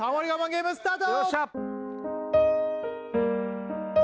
ゲームスタート